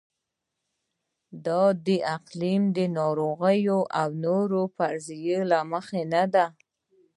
دا د اقلیم، ناروغیو او نورو فرضیې له مخې نه ده.